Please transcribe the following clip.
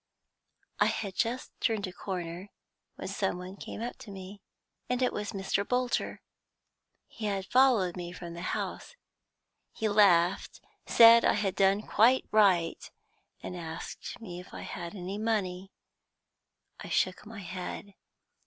"I had just turned a corner, when some one came up to me, and it was Mr. Bolter. He had followed me from the house. He laughed, said I had done quite right, and asked me if I had any money. I shook my head.